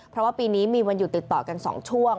เพราะว่าปีนี้มีวันหยุดติดต่อกัน๒ช่วง